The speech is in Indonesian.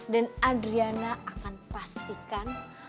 dan adriana akan pastikan